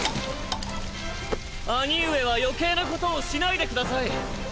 兄上は余計なことをしないでください。